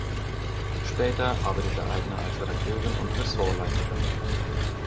Später arbeitete Eigner als Redakteurin und Ressortleiterin.